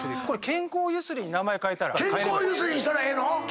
健康ゆすりにしたらええの？